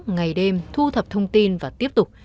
ngày đêm thu thập thông tin và tiếp tục